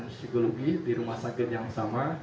psikologi di rumah sakit yang sama